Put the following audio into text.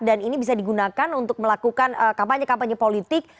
dan ini bisa digunakan untuk melakukan kampanye kampanye politik